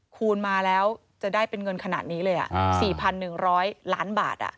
คูณมาแล้วจะได้เป็นเงินขนาดนี้เลย๔๑๐๐ล้านบาท